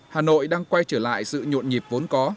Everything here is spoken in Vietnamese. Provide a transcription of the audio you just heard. hà nội đang quay trở lại sự nhộn nhịp vốn có